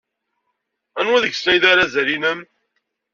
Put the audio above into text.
Anwa deg-sen ay d arazal-nnem?